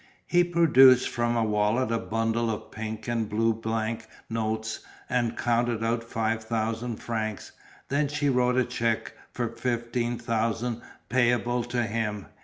He produced from a wallet a bundle of pink and blue bank notes and counted out five thousand francs, then she wrote a cheque for fifteen thousand payable to him.